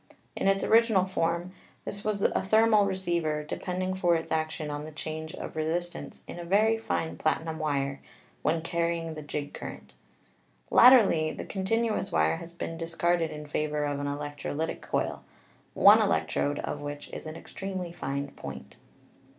In its original form this was a thermal receiver, depending for its action on the change of re sistance in a very fine platinum wire when carrying the jig current. Latterly the continuous wire has been dis carded in favor of an electrolytic coil, one electrode of which is an extremely fine point.